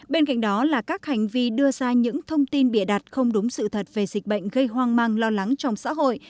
bên cạnh đó là các hành vi đưa ra những thông tin bịa đặt không đúng sự thật về dịch bệnh gây hoang mang lo lắng trong xã hội